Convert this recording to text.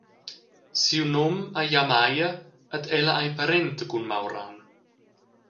Siu num ei Yamaia ed ella ei parenta cun Mauran.